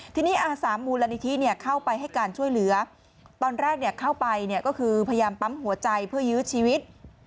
ทีนี้อาสามูลนิธิเข้าไปให้การช่วยเหลือตอนแรกเข้าไปก็คือพยายามปั๊มหัวใจเพื่อยื้อชีวิต